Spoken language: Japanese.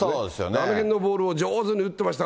あのへんのボールを上手に打ってました。